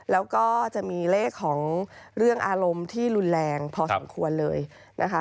แล้วก็จะมีเลขของเรื่องอารมณ์ที่รุนแรงพอสมควรเลยนะคะ